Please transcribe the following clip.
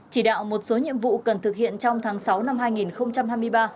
chỉ đạo một số nhiệm vụ cần thực hiện trong tháng sáu năm hai nghìn hai mươi ba